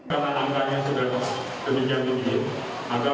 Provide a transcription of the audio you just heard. karena angkanya sudah keminyak mungkin